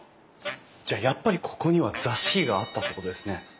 じゃあやっぱりここには座敷があったってことですね。